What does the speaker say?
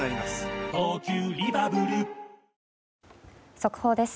速報です。